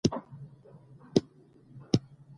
ازادي راډیو د کډوال په اړه د نېکمرغۍ کیسې بیان کړې.